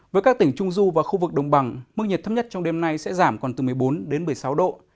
với các tỉnh trung du và khu vực đồng bằng mức nhiệt thấp nhất trong đêm nay sẽ giảm còn từ một mươi bốn đến một mươi sáu độ